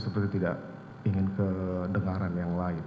seperti tidak ingin kedengaran yang lain